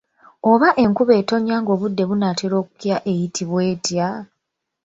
Oba enkuba etonnya ng’obudde bunaatera okukya eyitibwa etya?